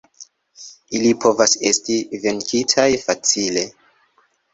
Ili povas esti venkitaj facile.